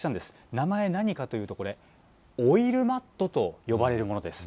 名前何かというとこれ、オイルマットと呼ばれるものです。